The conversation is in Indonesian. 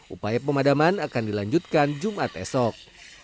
upaya pemadaman akan dilanjutkan jumat esok